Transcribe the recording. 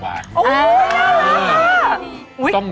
น่ารักค่ะ